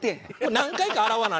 何回か洗わなね